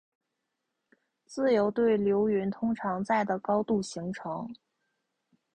自由对流云通常在的高度形成。